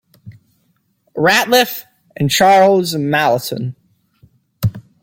Ratliff, and Charles Mallison.